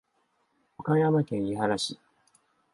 岡山県井原市